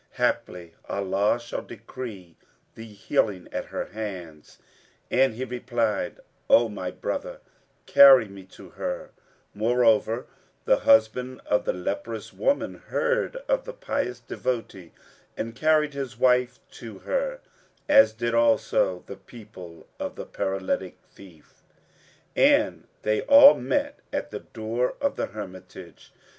Haply Allah shall decree thee healing at her hands!" and he replied, "O my brother, carry me to her" Moreover, the husband of the leprous woman heard of the pious devotee and carried his wife to her, as did also the people of the paralytic thief; and they all met at the door of the hermitage.